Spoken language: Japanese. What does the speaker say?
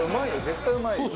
絶対うまいよ。